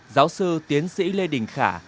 giáo sư tiến sĩ lê đình khả